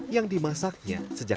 yang dimasaknya sejak